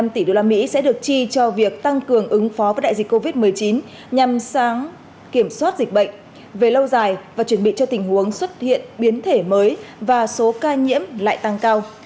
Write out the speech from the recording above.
hai mươi hai năm tỷ đô la mỹ sẽ được chi cho việc tăng cường ứng phó với đại dịch covid một mươi chín nhằm sáng kiểm soát dịch bệnh về lâu dài và chuẩn bị cho tình huống xuất hiện biến thể mới và số ca nhiễm lại tăng cao